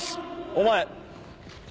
お前。